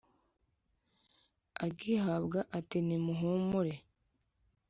agihabwa ati ni muhumure.